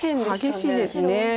激しいです。